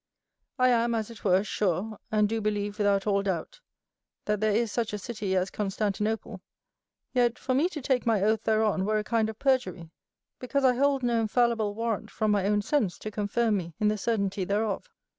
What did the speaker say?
I am, as it were, sure, and do believe without all doubt, that there is such a city as Constantinople; yet, for me to take my oath thereon were a kind of perjury, because I hold no infallible warrant from my own sense to confirm me in the certainty thereof.